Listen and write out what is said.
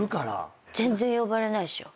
全然呼ばれないっしょ。